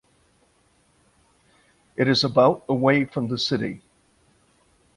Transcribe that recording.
It is about away from the city.